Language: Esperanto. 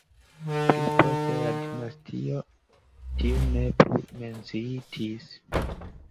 Pli poste la dinastio tiu ne plu menciitis.